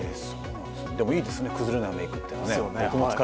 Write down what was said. でもいいですね崩れないメイクって。